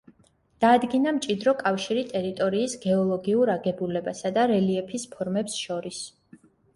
დაადგინა მჭიდრო კავშირი ტერიტორიის გეოლოგიურ აგებულებასა და რელიეფის ფორმებს შორის.